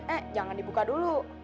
eh jangan dibuka dulu